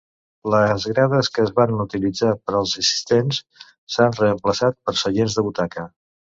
Les grades que es varen utilitzar per als assistents, s'han reemplaçat per seients de butaca.